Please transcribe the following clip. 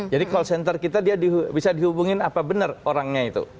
jadi call center kita dia bisa dihubungin apa benar orangnya itu